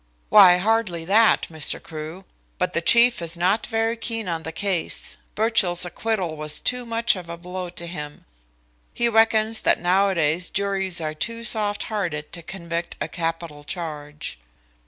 "Why hardly that, Mr. Crewe. But the chief is not very keen on the case. Birchill's acquittal was too much of a blow to him. He reckons that nowadays juries are too soft hearted to convict on a capital charge."